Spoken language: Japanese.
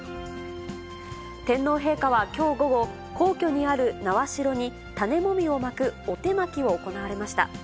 天皇陛下はきょう午後、皇居にある苗代に、種もみをまくお手まきを行われました。